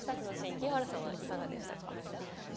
清原さんは、いかがでしたか？